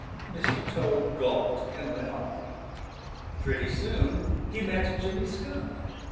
Mr. Toad gulped and went on. Pretty soon he met Jimmy Skunk.